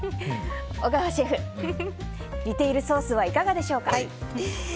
小川シェフ、煮ているソースはいかがでしょうか？